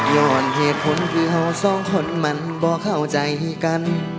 อ่อนเหตุผลที่เขาสองคนมันบ่เข้าใจกัน